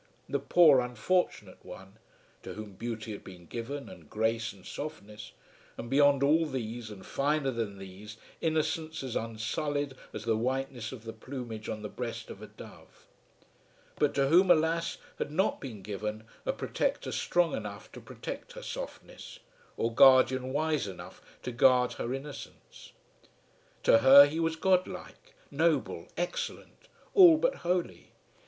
The poor unfortunate one, to whom beauty had been given, and grace, and softness, and beyond all these and finer than these, innocence as unsullied as the whiteness of the plumage on the breast of a dove; but to whom, alas, had not been given a protector strong enough to protect her softness, or guardian wise enough to guard her innocence! To her he was godlike, noble, excellent, all but holy.